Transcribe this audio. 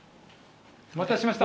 お待たせしました。